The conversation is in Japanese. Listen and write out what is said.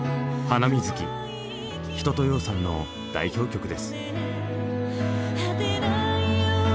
「ハナミズキ」一青窈さんの代表曲です。